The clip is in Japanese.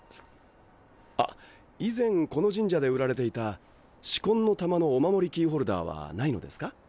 あ以前この神社で売られていた「四魂の玉」のお守りキーホルダーはないのですか？